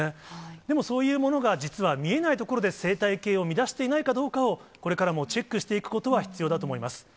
でもそういうものが実は見えない所で生態系を乱していないかどうかを、これからもチェックしていくことは必要だと思います。